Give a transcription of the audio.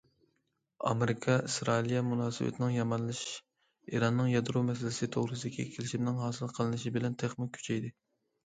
ئامېرىكا ئىسرائىلىيە مۇناسىۋىتىنىڭ يامانلىشىش ئىراننىڭ يادرو مەسىلىسى توغرىسىدىكى كېلىشىمنىڭ ھاسىل قىلىنىشى بىلەن تېخىمۇ كۈچەيدى.